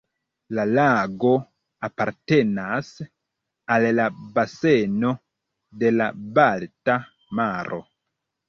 La lago apartenas al la baseno de la Balta Maro.